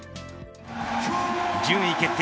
順位決定